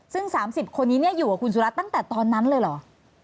ซึ่ง๓๐คนนี้อยู่กับคุณสุรัตน์ตั้งแต่ตอนนั้นเลยเหรอ